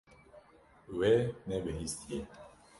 Wê nebihîstiye.